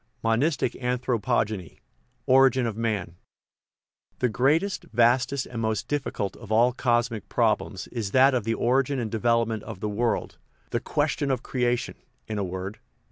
Monistic Anthropogeny Origin of Man '""THE greatest, vastest, and most difficult of all cos mic problems is that of the origin and develop ment of the world the "question of creation," in a word.